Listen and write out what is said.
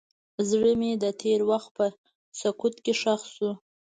زړه مې د تېر وخت په سکوت کې ښخ شو.